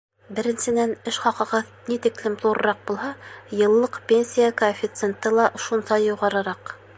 Беренсенән, эш хаҡығыҙ ни тиклем ҙурыраҡ булһа, йыллыҡ пенсия коэффициенты ла шунса юғарыраҡ.